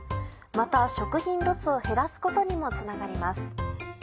また食品ロスを減らすことにもつながります。